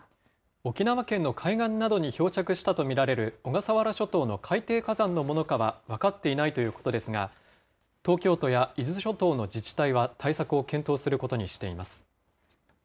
沖縄県の海岸などに漂着したと見られる小笠原諸島の海底火山のものかは分かっていないということですが、東京都や伊豆諸島の自治体は対策を検討することにしています。